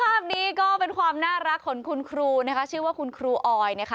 ภาพนี้ก็เป็นความน่ารักของคุณครูนะคะชื่อว่าคุณครูออยนะคะ